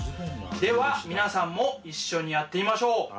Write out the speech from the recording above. では皆さんも一緒にやってみましょう。